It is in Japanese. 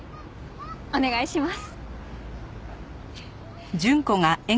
お願いします。